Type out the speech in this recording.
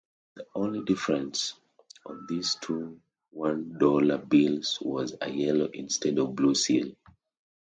The only difference on these one-dollar bills was a yellow instead of blue seal.